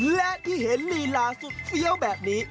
และที่เห็นลีลาสุดเฟี้ยวแบบนี้